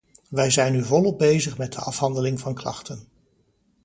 Wij zijn nu volop bezig met de afhandeling van klachten.